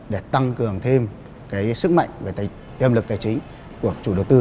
để tăng cường thêm sức mạnh và đâm lực tài chính của chủ đầu tư